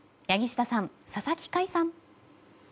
柳下さん、佐々木快さん。